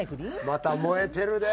また燃えてるで。